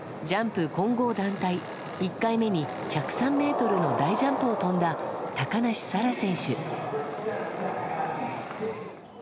ジャンプ混合団体、１回目に１０３メートルの大ジャンプを飛んだ高梨沙羅選手。